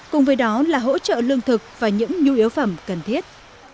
cùng với đó là hỗ trợ lương thực và những nhu yếu phẩm cần thiết